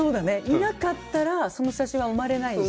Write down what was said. いなかったらその写真は生まれないし。